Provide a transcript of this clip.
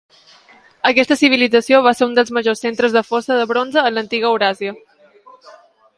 Aquesta civilització va ser un dels majors centres de fosa del bronze en l'antiga Euràsia.